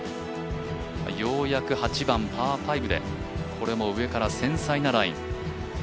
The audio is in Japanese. ようやく、８番パー５でこれも上から、繊細なライン。